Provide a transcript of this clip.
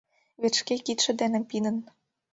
Вет шке кидше дене пидын.